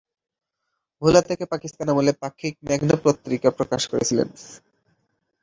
ভোলা থেকে পাকিস্তান আমলে ‘পাক্ষিক মেঘনা পত্রিকা’ প্রকাশ করেছিলেন।